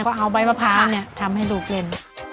ก็เอาใบประพาทเนี่ยทำให้ลูกเล่น